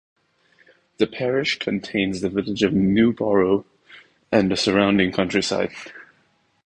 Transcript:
The parish contains the village of Newborough and the surrounding countryside.